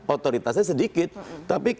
otoritasnya sedikit tapi